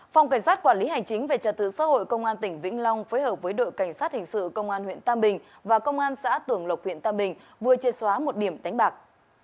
phòng cảnh sát quản lý hành chính về trật tự xã hội công an tỉnh vĩnh long phối hợp với đội cảnh sát hình sự công an huyện tam bình và công an xã tường lộc huyện tam bình vừa chia xóa một điểm đánh bạc